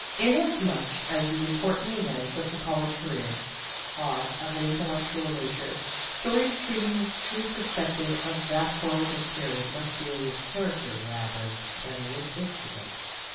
Inasmuch as the important events of the college career are of an intellectual nature, stories treating with true perspec tive of that formative period must deal with character rather than with incident.